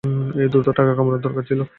ঐ, দ্রুত টাকা কামানোর দরকার ছিল।